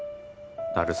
鳴沢